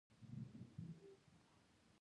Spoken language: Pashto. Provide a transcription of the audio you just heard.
عباس وايی که زه د علي پر ځای وای ما دا کارنه کاوه.